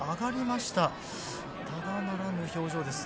ただならぬ表情です。